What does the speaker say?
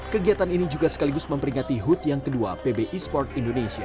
kegiatan ini juga sekaligus memperingati hud yang kedua pb esports indonesia